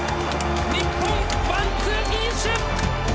日本ワンツーフィニッシュ！